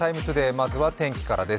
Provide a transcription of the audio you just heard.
まずは天気からです。